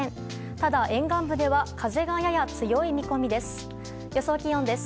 ただ、沿岸部では風がやや強い見込みです。